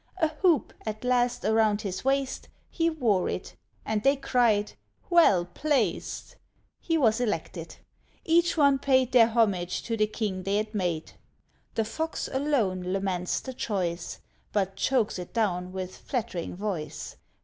A hoop, at last, around his waist He wore it, and they cried, "Well placed!" He was elected. Each one paid Their homage to the King they'd made. The Fox alone laments the choice, But chokes it down with flattering voice.